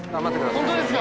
▲蕁本当ですか？